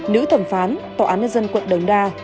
nữ thẩm phán tòa án nhân dân quận đồng đa